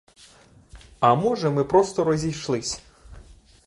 А може, ми просто розійшлись?